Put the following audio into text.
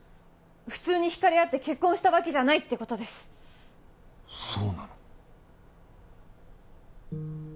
普通に引かれ合って結婚したわけじゃないってことですそうなの？